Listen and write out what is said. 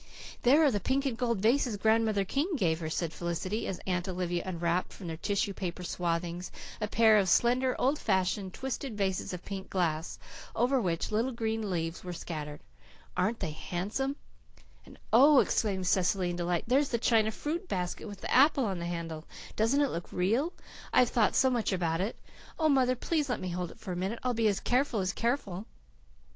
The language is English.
"There are the pink and gold vases Grandmother King gave her," said Felicity, as Aunt Olivia unwrapped from their tissue paper swathings a pair of slender, old fashioned, twisted vases of pink glass, over which little gold leaves were scattered. "Aren't they handsome?" "And oh," exclaimed Cecily in delight, "there's the china fruit basket with the apple on the handle. Doesn't it look real? I've thought so much about it. Oh, mother, please let me hold it for a minute. I'll be as careful as careful."